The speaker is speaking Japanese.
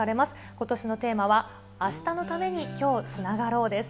ことしのテーマは、明日のために、今日つながろう。です。